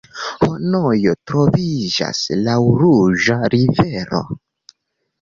Hanojo troviĝas laŭ Ruĝa rivero.